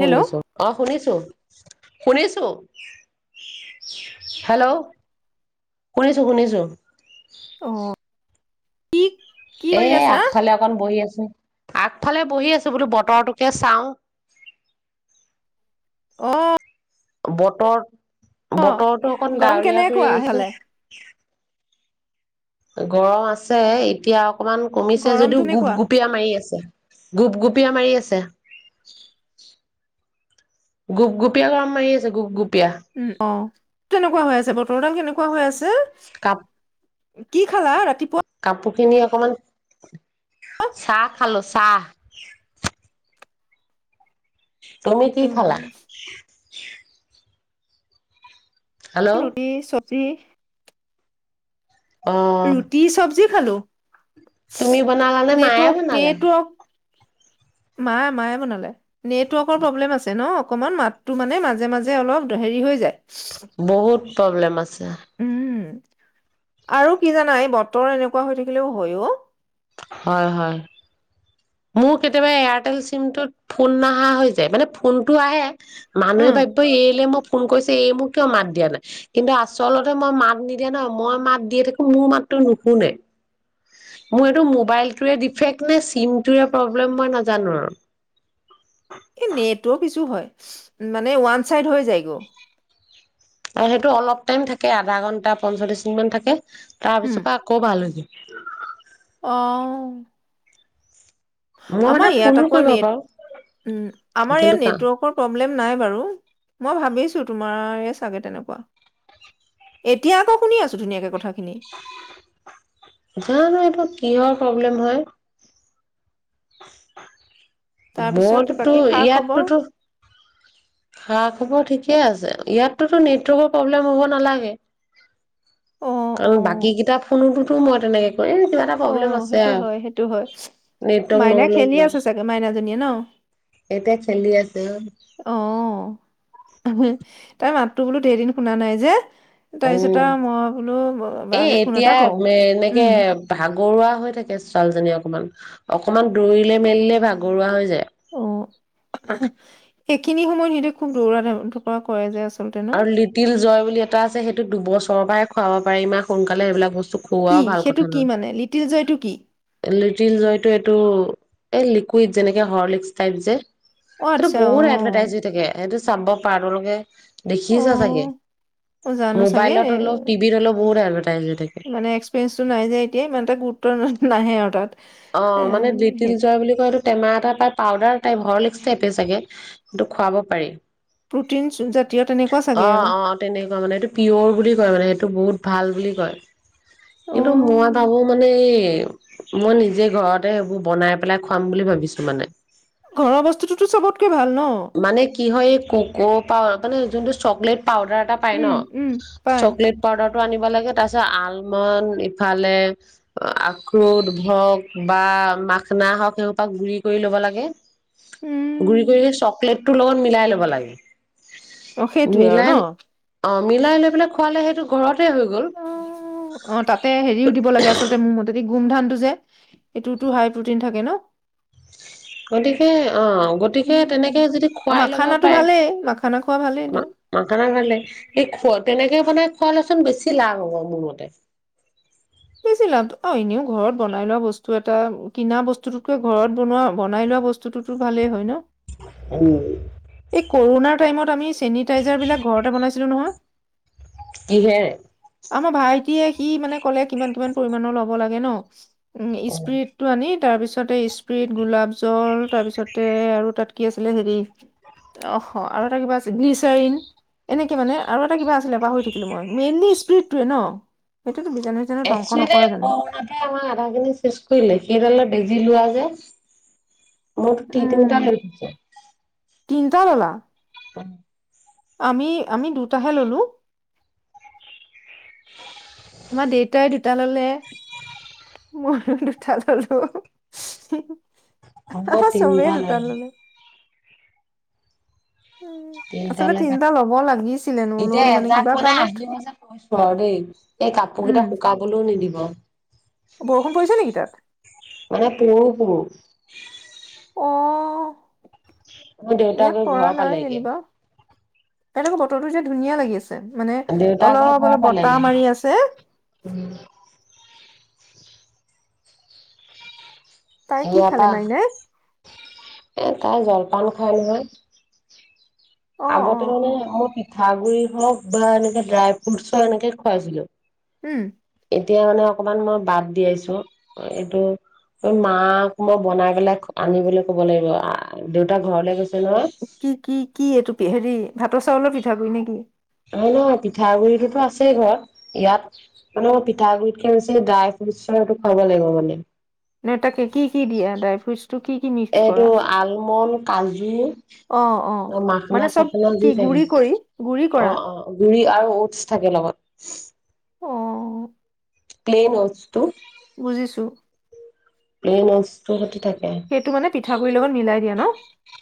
Hello অ', শুনিছো। শুনিছো, hello, শুনিছো শুনিছো। অ', কি? এ কৰি আছা আগফালে অকণ বহি আছ আগফালে বহি আছো বোলো বতৰটোকে চাও। অ'। বতৰ বতৰতো অকণ গৰম ডাৱৰীয়া কৰি কেনেকুৱা সেইফালে আহিছে। গৰম, আছে এতিয়া অকমান কমিছে যদিও গৰমটো কেনেকুৱা গোপ-গুপীয়া মাৰি আছে। গোপগুপীয়া মাৰি আছে, গোপগুপীয় গৰম মাৰি আছে গুপ-গুপ। উম, অ'। কেনেকুৱা হৈ আছে, বতৰদাল কেনেকুৱা হৈ আছে। কাপ এ কি? কি খালা ৰাতিপুৱা? কাপোৰ খিনি অকমান, চাহ খালো চাহ। তুমি? কি খালা? উম হেল্ল' ৰুটি চব তি অ ৰুটি চব্জি খালো। তুমি বনালা নে মায়ে নেটৱৰ্ক বনালে? নেটৱৰ্ক মা মায়ে বনালে। নেটৱৰ্কৰ প্ৰব্লেম আছে ন অকনমান মাতটো মানে মাজে মাজে অলপ হেৰি হৈ যায়। বহুত প্ৰব্লেম আছে। উম, আৰু কি জানা, এই বতৰ এনেকুৱা হৈ থাকিলেও হৈয়ো। হয়, হয়। মোৰ কেতিয়াবা এয়াৰটেল চিমটোত ফোন নাহা হৈ যায়, মানে ফোনটো আহে। মানুহে উম ভাবিব এইলৈ মোক ফোন কৰিছে এই মোক, কিয় মাত দিয়া নাই? কিন্তু, আচলতে মই মাত নিদিয়া নহয়, মই মাত দিয়ে থাকোঁ মোৰ মাতটো নুশুনে। মোৰ এইটো মোবাইলটোৱে ডিফেক্ট নে চিম টোৱে প্ৰব্লেম, মই নাজানো আৰু। এই নেটৱৰ্ক ইছু হয়, মানে ওৱান চাইড হৈ যায়গৈ। আৰু সেইটো অলপ টাইম থাকে, আধা ঘন্টা পঞ্চল্লিশ মিনিটমান থাকে। তাৰ পিছৰ পা আকৌ ভাল হৈ যায়। [unintelligible] অহ। মই আমাৰ মানে ইয়াত ফোনো আকৌ কৰিব নেট, পাৰো উম, আমাৰ কিন্তু ইয়াত কা নেটৱৰ্কৰ প্ৰব প্ৰব্লেম নাই বাৰু, মই ভাবিছোঁ তোমাৰেই চাগে তেনেকুৱা। এতিয়া আকৌ শুনি আছোঁ ধুনীয়াকে কথা। জানো, এইটো কিহৰ? প্ৰব্লেম হয়। [unintelligible] তাৰপিছত মোৰতো বাকী খা খবৰ ইয়াততোতো খা-খবৰ ঠিকে আছে। ইয়াততো নেটৱৰ্কৰ প্ৰব্লেম হ'ব নালাগে, অ', কাৰণ বাকী অ', কেইটা ফোনোতো মই তেনেকে কৰি এই কিবা এটা প্ৰব্লেম অহ, আছে সেইটো আৰু হয়, সেইটো হয়। নেটৱৰ্ক মাইনা নহ'লেও খেলি কিবা এটা। আছে চাগে, মাইনাজীয়ে ন? এতিয়া খেলি আছে অহ। তাইৰ মাতটো বোলোঁ দেই দিন শুনা নাই যে। তাৰপিছত উম, আৰু মই বোলো এ বালে ফোন এটা এতিয়া কৰোঁ। মে এনেকে উম, ভাগৰুৱা হৈ থাকে ছোৱালজনী অকনমান, অকনমান দৌৰিলে-মেলিলে ভাগৰুৱা হৈ যায়। অহ, [unintelligible] এইখিনি সময়ত সিহঁতে খুব দৌৰা-ধপৰা কৰে যে আচলতে ন? আৰু লিটিল জয় বুলি এটা আছে, সেইটো দুবছ চৰ পৰাই খুৱাব পাৰি ইমান সোনকালে এইবিলাক বস্তু। কি খুওৱাও ভাল সেইটো কথা কি মানে, লিটিল জয়টো কি? টিল জয়টো এইটো এ লিকুইড, যেনেকে হৰ্লিকছ টাইপ যে। অ', সেইটো আচ্ছা বহুত অ', এডভাৰটাইজ দি থাকে, সেইটো চাম্ভ পাৰলোকে দেখিছা চাগে অ', অ', জানো চাগে মোবাইলত এ হ'লেও, টিভিত হ'লেও বহুত এডভেৰটাইজ হৈ থাকে। মানে এক্সপিৰিয়েঞ্চটো নাই যে এতিয়া ইমান এটা গুৰুত্ব ন- নাহে আৰু তাত। অ' এ মানে লিতিল সেই জয় বুলি কয় এইটো টেমা এটা পাই পাউদাৰ তাই হৰলিক্স থাকে চাগে এইটো কিন্ত খোৱাব পাৰি। প্ৰটিন জাতীয় তেনেকুৱা চাগে অ', আৰু অ', তেনেকুৱা মানে এইটো পিয়ৰ বুলি কয় মানে, সেইটো বহুত ভাল বুলি কয়। কিন্তু মই অ', ভাবো মানে, মই নিজ নিজেই ঘৰতে সেইবোৰ বনাই পেলাই খুৱাম বুলি ভাবিছোঁ মানে। ঘৰৰ বস্তুটোতো চবত মানে কি হয় এই কুকু অ' মানে জোনটো চকলেট পাউডাৰ এটা পাই ন উম, উম, পাই চকলেট পাউডাৰ আনিব লাগে, তাৰ পিছত আলমন, ইফালে আখ্ৰুদ হওক বা মাখনা হওক, সেইখোপা গুৰি কৰি লব লাগে। গুৰি উম, কৰি হে চক বেগ তোৰ লগত মিলাই ল'ব লাগে। অ' সেইটোৱেই আৰু মিলাই ন। অ' মিলাই লৈ পেলাই খোৱালে সেইটো ঘৰত অ', অ' তাতে হেৰিও দিব লাগে আচলতে মোৰ মতেদি গোমধানটো জে, এইটোতো হাই প্ৰটিন থাকে ন? গতিকে অ' গতিকে উম, তেনেকে যদি অ', খুৱাই লব মাখানাটো পাৰে, ভালেই মাখানা খোৱা ভালেইটো। মা মাখানা খালে সেই খু তেনেকে বনাই খোৱালেচোন বেছি লাভ হ'ব মোৰ মতে। বেছি লাভ অ' এনেও ঘৰত বনাই লোৱা বস্তু এটা, কিনা বস্তুটোতকে ঘৰত বনোৱা, বনাই লোৱা বস্তুটোতুটো ভালেই হয় ন। উম এই কৰোণাৰ টাইমত আমি চেনীত তেজাৰ বিলাক ঘৰতে বনাইছিলোঁ নহয়। কিহেৰে? আমাৰ ভাইটিয়ে সি মানে ক'লে কিমান কিমান পৰিমাণৰ ল'ব লাগে ন? উম অ স্প্ৰটটো আনি, তাৰপিছতে স্প্ৰিট, গোলাপ জল তাৰপিছতে আৰু তাত কি আছিলে হেৰি, অহ আৰু এটা কিবা আছিল গ্লিচাৰিন, এনেকে মানে আৰু এটা কিবা আছিলে পাহৰি থাকিলো মই, মেইনলি স্প্ৰীটটোৱে ন? সেইটোতো বিজান এক্টোলী [unintelligible] আমাৰ আধা খিনি চেষ কৰি দিলে সেইডাল বেজি লোৱা ডেছ মূৰ্তি উম তিনিটা লৈ থৈছে। তিনটা ল'লা? মই আমি, আমি দুটাহে ল'লো। আমাৰ দেউতাই দুটা ল'লে, মই দুটা ল'লো। আমাৰ [unintelligible] চবেই তিনিটা দুটা ললোঁ। ল'লে। উম, আচলতে তিনিটালৈ ক তিনিটা ল'ব লাগিছিলে, এতিয়া নল'লো এজাক কিবা মানে কাৰণত। আহিব যে, কৈছো আৰু দেই। এই কাপোৰ উম, কেইটা শুকাবলৈও নিদিব। বৰষুণ পৰিছে নেকি তাত? মানে পুৰো পুৰো অ'। মোৰ দেউতা ইয়াত গৈ পৰা ঘৰ নাই পালেগে। যেনিবা। ইয়াত আকৌ বতৰটো যে, ধুনীয়া লাগি আছ মানে দেউতা গৈ অলপ, ঘৰ অলপ, পালেগে বতাহ মাৰি আছে। তাই কি ইয়াৰ খালে পৰা মাইনাই? এ তাই জলপান খায় নহয়। অ', আগতে অ', মানে অ', মোৰ পি থাগুৰি হওঁক বা এনেকে ড্ৰাই ফ্ৰুটছৰএনেকে খুৱাইছিলো। উম। এতিয়া মানে অকমান মই বাদ দিয়াইছো এইটো মাকাক মই বনাই পেলাই আনিবলৈ ক'ব লাগিব দেউতা ঘৰলে গৈছে নহয় কি, কি, কি এইটো? হেৰি ভাতৰ চাউলৰ পিঠাগুৰি নেকি? নহয়, নহয় পিঠাগুৰিটো আছেই ঘৰত, ইয়াত মানে পিঠাগুৰিটকে বেছি ড্ৰাইভাৰজনৰ সেইটো খাব লাগিব মানে। নে তাকে কি কি দিয়া ডাই ফ্ৰুচ? এইটো আলমণ্ড কাজু অ', অ', মাখনা মানে চব চখনা কি দি ছাগে গুৰি কৰি গুৰি কৰা? অ', অ', গুৰি আৰু অ'টচ থাকে লগত। প্লেন অ'টচ বুজিছোঁ। এই ম [unintelligible] সেইটো মানে পিঠাগুডৰিৰ লগত মিলাই দিয়া ন'।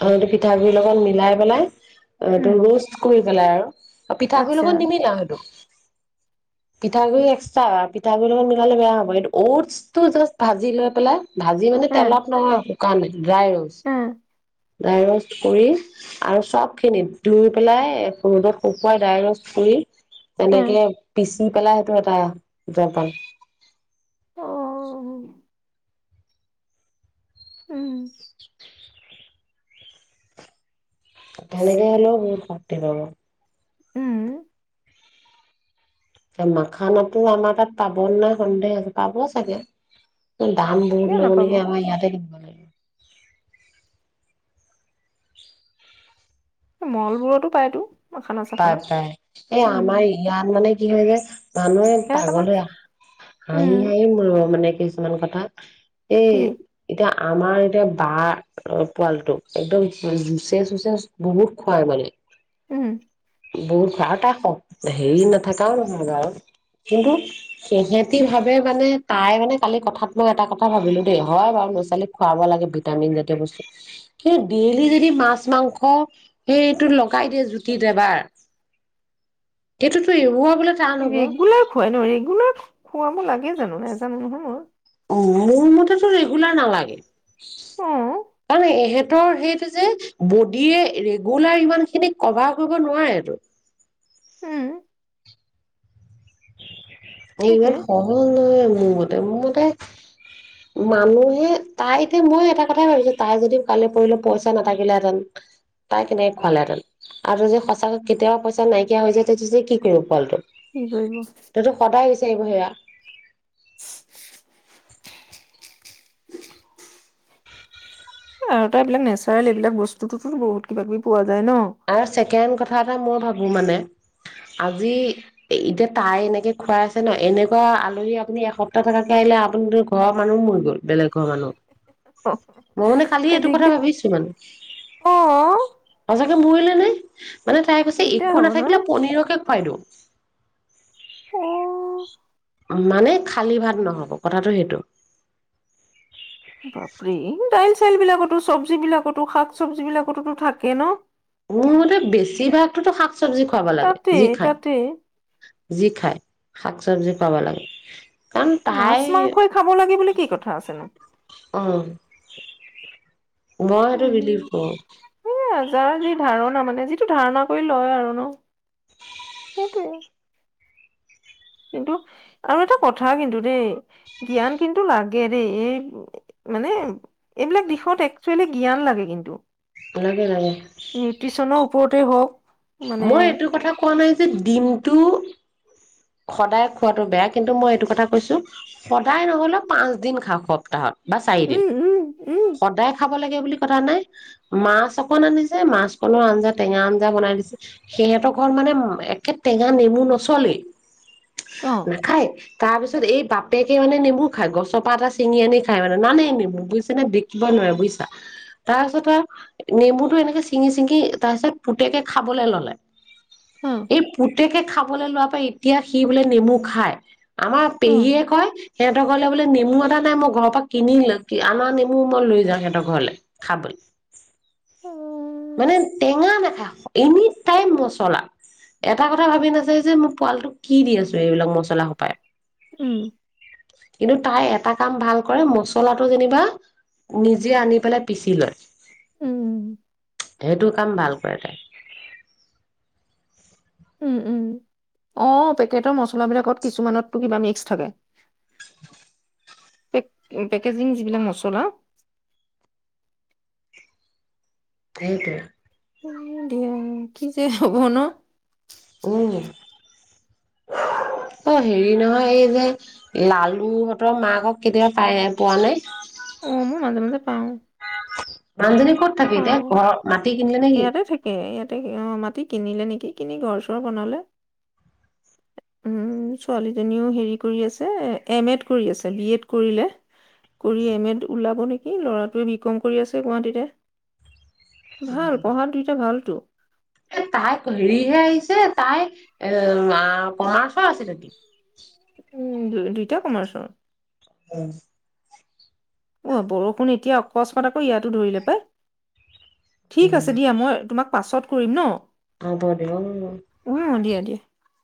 আৰু এইটো পিঠাগুৰি লগত মিলাই পেলাই অ', ত উম, ৰষ্ট কৰি পেলাই আৰু। পিঠাগুৰি আচ্ছা। লগত নিমিলাও সেইটো। পিঠাগুৰি এক্সট্ৰা পিঠাগুৰিৰ লগত মিলালে বেয়া হ'ব কিন্তু অ'টছটো জাষ্ট ভাজি লৈ পেলাই ভাজি মানে উম, তেলত নহয়। [unintelligible] ড্ৰাই ৰ'চ উম, ডাইৰস কৰি আৰু চ'ফখিনি ধুই পেলাই ৰ'দত শুকুৱাই ডাইৰেক কৰি উম, তেনেকে পিছ শুই পেলাই সেইটো এটা জলপান। অ'। উম। তেনেকে হ'লেও বহুত শক্তি পাব। উম। মাখানাটো আমাৰ তাত পাব নে নাই, সন্দেহ পাব চাগে। দাম কিয় বহুত ল'ব নাপাব? নেকি আমাৰ ইয়াতে [unintelligible] ম'লবোৰতো পায়টো পায়, পায় এই আমাৰ ইয়াত মানে কি হয় যে মানুহে ইয়াত পাগল আমাৰ হয়, উম, হাঁহি হাঁহি মৰিব মানে কিছুমান কথা এই কি? এতিয়া আমাৰ এতিয়া বা পোৱালিটোক, একদম জুচে চুচে বহুত খুৱাই মানে। উম। বহুত খোৱাই আৰু তাই শক হেৰি নাথাকাও নহয় বাৰু, কিন্তু সিহেতি ভাৱে মানে তাই মানে কালি কথাত মই এটা কথা ভাবিলোঁ দেই, হয় বাৰু ল'ৰা-ছোৱালীক খুৱাব লাগে ভিটামিন জাতীয় বস্তু কিন্তু ডেইলি যদি মাছ-মাংস সেইটো লগাই দিয়ে জুত কেতিয়াবা এইটোতো এৰুৱা ৰেগুলাৰ খোৱাই ন? ৰেগুলাৰ খোৱাব লাগে জানো, নাজানো নহয় মই। মোৰ মতেতো ৰেগুলাৰ নালাগে। অ', আৰু এহেত তৰ হেইটো যে, বডিয়ে ৰেগুলাৰ ইমানখিনি, ক'ভাৰ কৰিব নোৱাৰেটো। উম। এ সেইটোৱে ইমান সহজ নহয়। মোৰ মতে, মোৰ মতে মানুহে তাই এতিয়া মই এটা কথাই ভাবিছো, তাই যদি কালি পৰহিলে পইচা নাথাকিলেহেঁতেন, তাই কেনেকে খোৱালেহেঁতেন আৰু [unintelligible] যদি সঁচাকৈ কেতিয়াও পইচা নাইকিয়া হৈ যায় তেতিয়া কি কৰিব পোৱালিটো? কি কৰিব? তাইতো সদায় বিচাৰিব হেয়া [inaudible] আৰু এটা এইবিলাক নেচাৰেল এইবাক বস্তুতোতো বহুত কিবা কিবি পোৱা যায়। ন আৰু ছেকেণ্ড কথা এটা মই ভাবোঁ। ভাবো মানে, আজি এতিয়া তাই এনেকে খুৱাই আছে ন এনেকুৱা আলহী আপুনি এসপ্তাহ থকাকে আহিলে আপুনি ঘৰৰ মানুহ মৰি গ'ল বেলেগ ঘৰৰ মানুহত। অ মই মানে কালি এইটো কথা দিগদাৰ ভাবিছিলোঁ। অ [unintelligible] পৰিলে নে। মানে তাই কৈছে দিগদাৰ একো হ'ব ন নাথাকিলে পনীৰকে খুৱাই দিওঁ। অহ' মানে খালী ভাত নহ'ব কথাটো সেইটো। বাপৰে ডাই চেল বিলাকতো চব্জি বিলাকতো শাক চব্জি বিলাকতো থাকে ন। মোৰতে বেছি ভাগটো শাক চবজি খুৱাব লাগে তাতে যি খাই। তাতে যি খাই শাক চবজি পাব লাগে। কাৰণ মাছ, তাই মাংসই খাব লাগে বুলি কি কথা আছে নো। অ' মই সেইটো উম বিলিফ কৰোঁ। এ যাৰ যি ধাৰণা মানে, যিটো ধাৰণা কৰি লয় আৰু ন। সেইটোৱে কিন্তু, আৰু এটা কথা কিন্তু দেই জ্ঞান, কিন্তু লাগে দেই এই মানে এইবিলাক দিশত একচুৱেলি জ্ঞান লাগে কিন্তু। লাগে লাগে। স্পৰ্টেই হওঁক। মই এইটো কথা কোৱা নাই যে দিনটো সদায় খোৱাতটো বেয়া, কিন্তু মই এইটো কথা কৈছো, সদায় নহ'লেও পাঁচদিন খাওঁ সপ্তাহত। বা চাৰি দিন উম উম উম সদায় খাব লাগে বুলি। কথা নাই মাছ অকণ আনিছে মাছ কণৰ আঞ্জা টেঙা আঞ্জা বনাই দিছে, সিহঁতৰ ঘৰত মানে একে টেঙা নেমু নচলেই। অ নাখায়। তাৰ পিছত এই বাপেকে মানে নেমু খা, ই গছৰপা এটা চিঙি আনি খাই মানে নানে নেমু বুজিছা নে বিকিব নোৱাৰে বুজিছা, তাৰপিছত আৰু নেমুতটো এনেকে চিঙি চিঙি তাৰপিছত পুতেকে খাবলৈ ললে। অ এই পুত গোটেইকে খাব লোৱাৰ প এতিয়া সি বোলে নেমু খায়। আমাৰ অ পেহীয়ে কয় সিহঁতৰ ঘৰলে বোলে নেমু এটা নাই মই ঘৰৰ পৰা কিনি লৈ আ নেমু মই লৈ যাওঁ। সিহঁতৰ ঘৰলে খাবলৈ মানে টেঙা নাখায়। এনি টাইম মচলা, এটা কথা ভাবি নাচ যে মোৰ পোৱালটোক কি দি আছোঁ, এইবিলাক মছলা সোপাই উম। কিন্তু, তাই এটা কাম ভাল কৰে, মছলাটো যেনিবা নিজে আনি পেলাই পিচি লয়। উম সেইটো কাম ভাল কৰে তাই উম, উম। অ' পেকেটৰ মছলাবিলাকত কিছুমানতটো কিবা মিক্স থাকে। পেকেজিং যিবিলাক মছলা সেইটো। দিয়া, কি যে হব ন'। উম, অ', হেৰি নহয় এই যে লালুহঁতৰ মাকক কেতিয়াবা পাই পোৱা নাই। উম, মাজে মাজে পাওঁ। [unintelligible] ক'ত থাকি দে পাওঁ ঘৰত মাতি কিনিলে নেকি? ইয়াতে থাকে ইয়াতে অ মাটি কিনিলে নেকি, কিনি ঘৰ চৰ বনালে। উম, ছোৱালীজনীও হেৰি কৰি আছে এম এড কৰি আছে বি এড কৰিলে কৰি এম এড ওলাব নেকি ল'ৰাটোৱে বি কম কৰি আছে গুৱাহাটীতে। ভাল পঢ়াত দুইটা ভালতো এ তাই হেৰিহে আহিছে। তাই এ কমাৰ্চৰ আছিল নেকি? উম, দু দুইটা কমাৰ্চৰ। উম। অ', বৰষুণ এতিয়া অকস্মাত আকৌ ইয়াতো ধৰিলে পাই। ঠিক উম আছে দিয়া, মই তোমাক পাছত কৰিম ন'। [unintelligible] এ